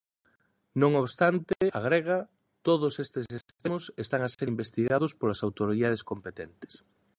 Non obstante, agrega, "todos estes extremos están a ser investigados polas autoridades competentes".